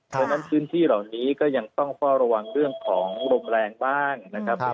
เพราะฉะนั้นพื้นที่เหล่านี้ก็ยังต้องเฝ้าระวังเรื่องของลมแรงบ้างนะครับ